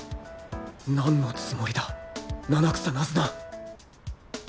何のつもりだ七草ナズナ